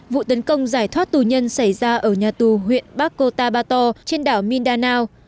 vụ tấn công giải thoát tù nhân xảy ra ở nhà tù huyện barcotabato trên đảo mindanao